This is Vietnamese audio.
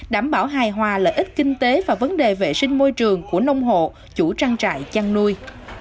đảm bảo hài hòa lợi ích kinh tế và vấn đề vệ sinh môi trường của nông hộ chủ trang trại chăn nuôi